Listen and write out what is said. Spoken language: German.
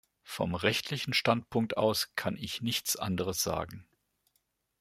Vom rechtlichen Standpunkt aus kann ich nichts anderes sagen.